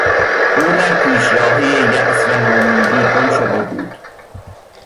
او در پیچراههی یاس و نومیدی گم شده بود.